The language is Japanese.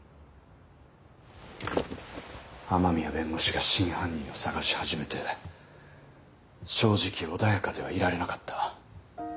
雨宮弁護士が真犯人を捜し始めて正直穏やかではいられなかった。